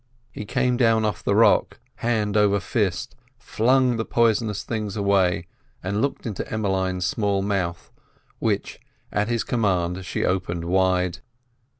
He came down off the rock, hand over fist, flung the poisonous things away, and looked into Emmeline's small mouth, which at his command she opened wide.